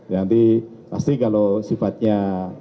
nanti pasti kalau sifatnya